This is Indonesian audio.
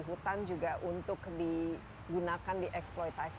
hutan juga untuk digunakan dieksploitasi